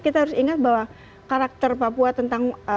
kita harus ingat bahwa karakter papua tentang